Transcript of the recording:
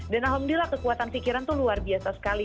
dan alhamdulillah kekuatan pikiran itu luar biasa sekali